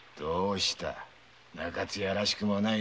中津屋らしくもない。